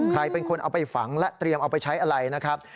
ใครเป็นคนเอาไปฝังและเตรียมเอาไปใช้อะไรนะครับ